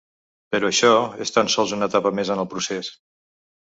Però això és tan sols una etapa més en el procés.